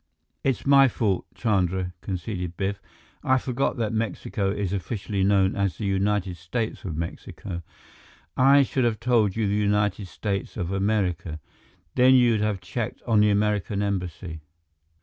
"It's my fault, Chandra," conceded Biff. "I forgot that Mexico is officially known as the United States of Mexico. I should have told you the United States of America. Then you'd have checked on the American Embassy."